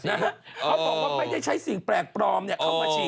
ไม่ใช่ใช้สิ่งแปลกปลอมเนี่ยเข้ามาฉีด